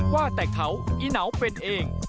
ว่าแต่เขาอีเหนาเป็นเอง